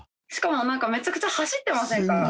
しかもなんかめちゃくちゃ走ってませんか？